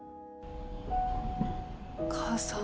「母さん。